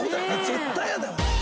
絶対嫌だよ。